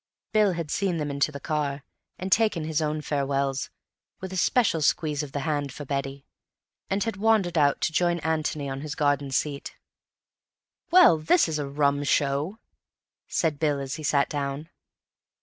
Bill had seen them into the car, had taken his own farewells (with a special squeeze of the hand for Betty), and had wandered out to join Antony on his garden seat. "Well, this is a rum show," said Bill as he sat down.